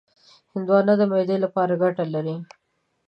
هندوانه د معدې لپاره ګټه لري.